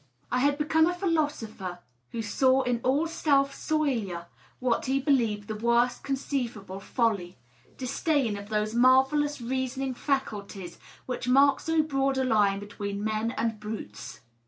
I had become a philosopher who saw in all self soilure what he believed the worst conceivable folly,— disdain of those marvellous reasoning faculties which mark so broad a line between men and brutes.